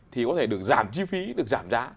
thì có thể được giảm chi phí được giảm giá